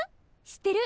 知ってる？